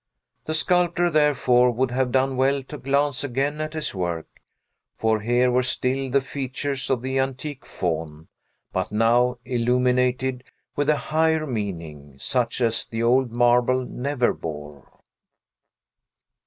The sculptor, therefore, would have done well to glance again at his work; for here were still the features of the antique Faun, but now illuminated with a higher meaning, such as the old marble never bore.